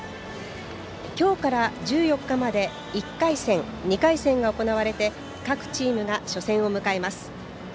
今日から１４日まで１回戦、２回戦が行われて各チームが初戦を迎えます。